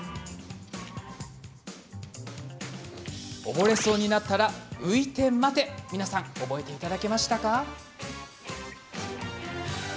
溺れそうになったら、浮いて待て皆さん覚えましたか？